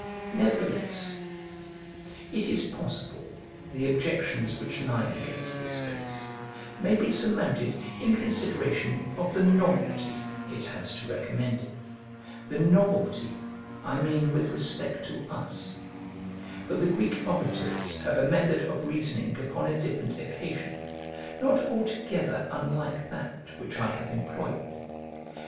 Nevertheless it is possible the objections which lie against this piece may be surmounted in consideration of the novelty it has to recommend it: the novelty I mean with respect to us; for the Greek orators have a method of reasoning upon a different occasion, not altogether unlike that which I have employed.